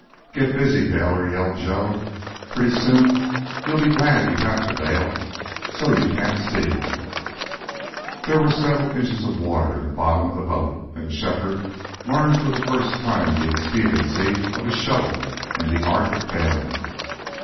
"Get busy, bailer," yelled Joe. "Pretty soon you'll be glad you have to bail so you can't see!" There were several inches of water in the bottom of the boat and Shefford learned for the first time the expediency of a shovel in the art of bailing.